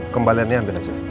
kembaliannya ambil aja